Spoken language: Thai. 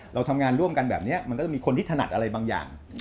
เราทำงานร่วมกันแบบนี้มันก็จะมีคนที่ถนัดอะไรบางอย่าง